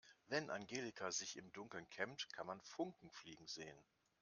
Wenn Angelika sich im Dunkeln kämmt, kann man Funken fliegen sehen.